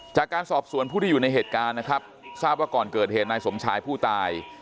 จากการสอบสวนผู้ที่อยู่ในเหตุการณ์นะครับทราบว่าก่อนเกิดเหตุนายสมชายผู้ตาย